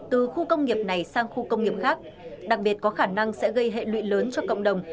từ khu công nghiệp này sang khu công nghiệp khác đặc biệt có khả năng sẽ gây hệ lụy lớn cho cộng đồng